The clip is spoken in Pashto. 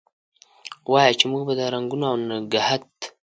وایه! چې موږ به د رنګونو اونګهت،